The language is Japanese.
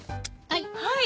はい！